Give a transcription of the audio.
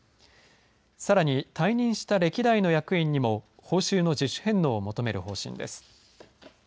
さらに退任した歴代の役員にも報酬の自主返納を求める方針です。